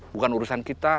bukan urusan kita